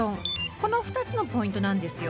この２つのポイントなんですよ。